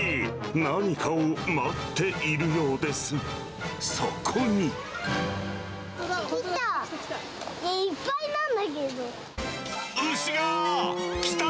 何かを待っているようです。来た。